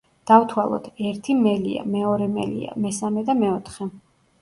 დავთვალოთ: ერთი მელია, მეორე მელია, მესამე და მეოთხე.